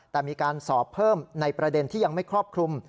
แต่มีการสอบเพิ่มในประเด็นที่ยังไม่ครอบคลุม